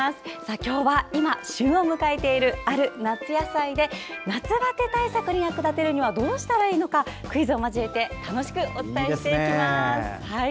今日は、今旬を迎えているある野菜で夏バテ対策に役立てるにはどうしたらいいのかクイズを交えて楽しくお伝えしていきます。